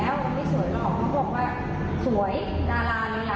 อ่าพอขับแล้วเจอันนี้แหละ